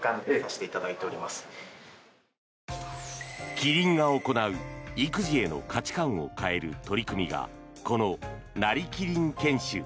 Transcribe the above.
キリンが行う、育児への価値観を変える取り組みがこの、なりキリン研修。